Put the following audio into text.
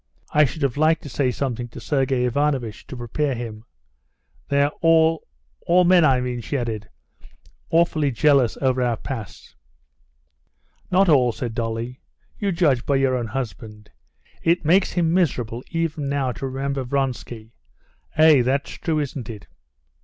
"I should have liked to say something to Sergey Ivanovitch, to prepare him. They're all—all men, I mean," she added, "awfully jealous over our past." "Not all," said Dolly. "You judge by your own husband. It makes him miserable even now to remember Vronsky. Eh? that's true, isn't it?"